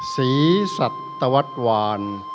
ศรีสัตวัตตวาล